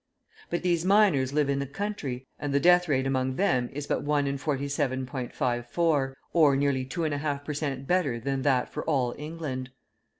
But these miners live in the country, and the death rate among them is but one in 47.54, or nearly two and a half per cent. better than that for all England.